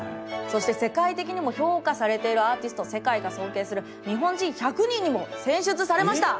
そして世界的にも評価されているアーティスト「世界が尊敬する日本人１００人」にも選出されました！